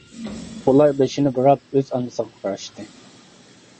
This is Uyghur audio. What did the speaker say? ئۇلار بېشىنى بۇراپ ئۆز ئانىسىغا قاراشتى.